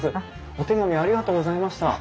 お手紙ありがとうございました。